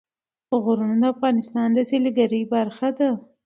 غرونه د افغانستان د سیلګرۍ برخه ده.